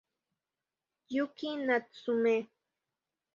Yuki Natsume